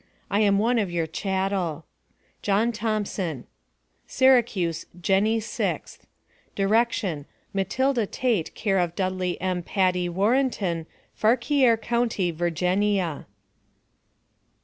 I am one of your Chattle. JOHN THOMPSON, Syracuse, Jeny 6th. Direction Matilda Tate Care of Dudley M Pattee Worrenton Farkiear County Verginia.